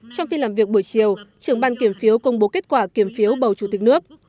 trong phiên làm việc buổi chiều trưởng ban kiểm phiếu công bố kết quả kiểm phiếu bầu chủ tịch nước